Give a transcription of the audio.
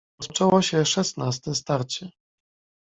"Rozpoczęło się szesnaste starcie."